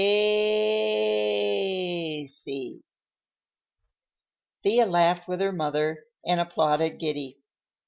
Thea laughed with her mother and applauded Giddy.